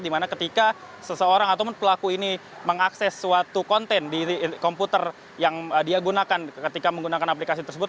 dimana ketika seseorang ataupun pelaku ini mengakses suatu konten di komputer yang dia gunakan ketika menggunakan aplikasi tersebut